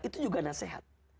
itu juga nasehat